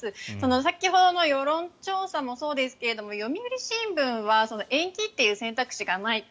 先ほどの世論調査もそうですけど読売新聞は延期という選択肢がないと。